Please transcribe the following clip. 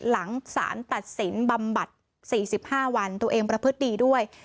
หลังสารตัดสินบำบัด๔๕วันตัวเองประพฤติดีด้วย